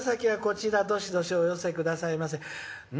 どしどしお寄せくださいませ。